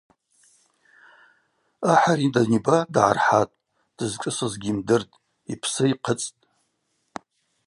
Ахӏ ари даниба дгӏархӏатӏ, дызшӏысыз гьйымдыртӏ, йпсы йхъыцӏтӏ.